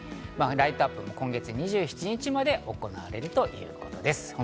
ライトアップも今月２７日まで行われるということです。